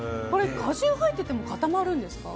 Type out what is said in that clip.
果汁入っていても固まるんですか？